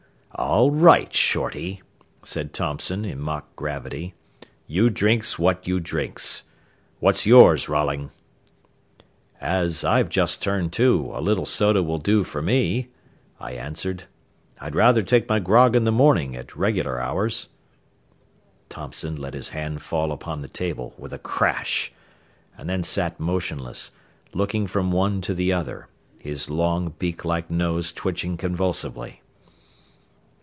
"All right, Shorty," said Thompson, in mock gravity. "You drinks what you drinks. What's yours, Rolling?" "As I've just turned to, a little soda will do for me," I answered. "I'd rather take my grog in the morning at regular hours." Thompson let his hand fall upon the table with a crash, and then sat motionless, looking from one to the other, his long, beak like nose twitching convulsively.